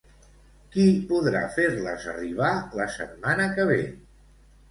Qui podrà fer-les arribar la setmana que ve?